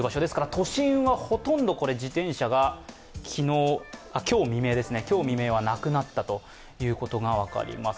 都心はほとんど自転車が今日未明はなくなったということが分かります。